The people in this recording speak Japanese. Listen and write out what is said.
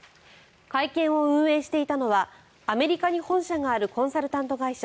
会見を運営していたのはアメリカに本社があるコンサルタント会社